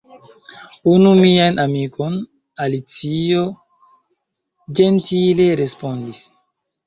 "Unu mian amikon," Alicio ĝentile respondis.